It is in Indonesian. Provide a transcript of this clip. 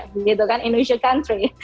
begitu kan indonesia country